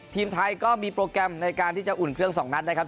ทีมไทยก็มีโปรแกรมในการที่จะอุ่นเครื่อง๒นัดนะครับ